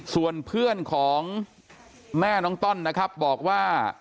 ส่วนเพื่อนของแม่น้องต้อนนะครับบอกว่า